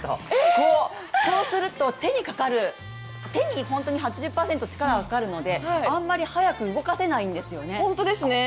そうすると、手に８０％力がかかるのであんまり速く動かせないんですよね。